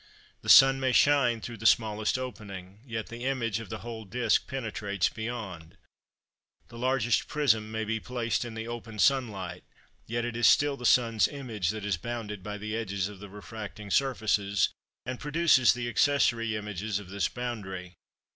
The sun may shine through the smallest opening, yet the image of the whole disk penetrates beyond. The largest prism may be placed in the open sun light, yet it is still the sun's image that is bounded by the edges of the refracting surfaces, and produces the accessory images of this boundary.